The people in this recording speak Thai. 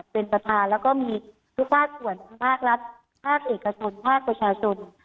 เป็นประธานแล้วก็มีทุกภาคส่วนภาครัฐภาคเอกชนภาคประชาชน